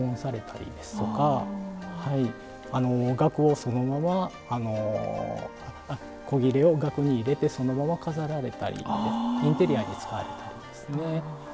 額をそのまま古裂を額に入れてそのまま飾られたりインテリアに使われたりですね。